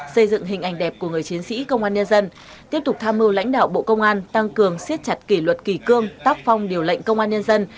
xây dựng hình ảnh đẹp của người chiến sĩ công an nhân dân tiếp tục tham mưu lãnh đạo bộ công an tăng cường siết chặt kỷ luật kỳ cương tác phong điều lệnh công an nhân dân